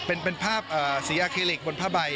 เป็นภาพสีอาเคลิกบนผ้าใบ